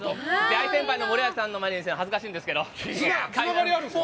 大先輩の森脇さんの前で恥ずかしいんですけども。